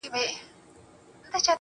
د ښځو د ځان وژنې وبا خپره شوې وه